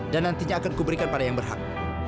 dan nantinya akan kuberikan pada yang berhak